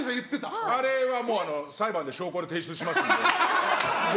あれは裁判で証拠を提出しますので。